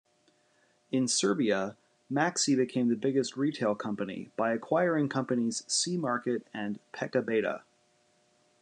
In Serbia, Maxi became the biggest retail company by acquiring companies C-market and Pekabeta.